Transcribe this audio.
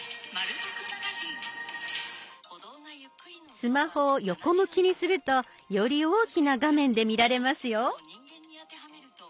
スマホを横向きにするとより大きな画面で見られますよ。